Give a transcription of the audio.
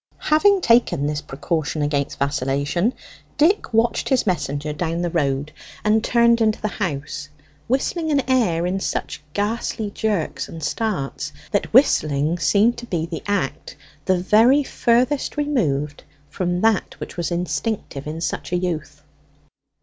Having taken this precaution against vacillation, Dick watched his messenger down the road, and turned into the house whistling an air in such ghastly jerks and starts, that whistling seemed to be the act the very furthest removed from that which was instinctive in such a youth.